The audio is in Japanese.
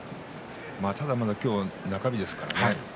ただ、まだ今日は中日ですからね。